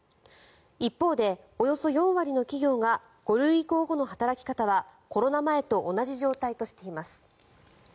一方で、およそ４割の企業が５類移行後の働き方はコロナ前と同じ状態としています。